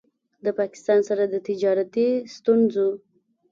د پاکستان سره د تجارتي ستونځو